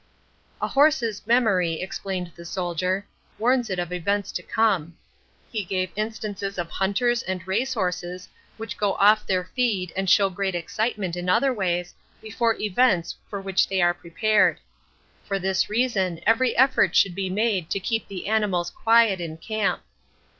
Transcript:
A horse's memory, explained the Soldier, warns it of events to come. He gave instances of hunters and race horses which go off their feed and show great excitement in other ways before events for which they are prepared; for this reason every effort should be made to keep the animals quiet in camp.